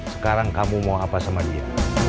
sekarang kamu mau apa sama dia